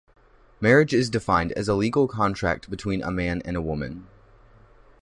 Marriage is defined as a legal contract between a man and a woman.